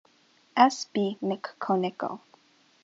S. B. McConnico.